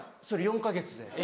それ４か月で。